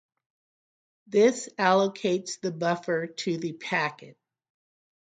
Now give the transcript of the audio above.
This allocates the buffer to the packet.